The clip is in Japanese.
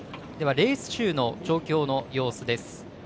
レース中の調教の様子です。